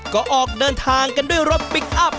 ก็ออกเดินทางกันด้วยรถพลิกอัพ